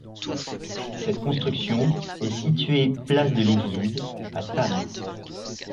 Cette construction est située place de l'Église à Thann.